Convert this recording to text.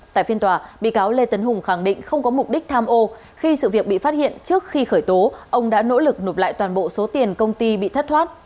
tại phiên tòa bị cáo lê tấn hùng khẳng định không có mục đích tham ô khi sự việc bị phát hiện trước khi khởi tố ông đã nỗ lực nộp lại toàn bộ số tiền công ty bị thất thoát